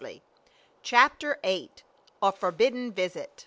77 CHAPTER VIII. A FORBIDDEN VISIT.